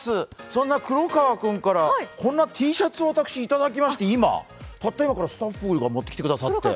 そんな黒川君からこんなＴシャツを私、いただきまして、たった今、スタッフが持ってきてくださって。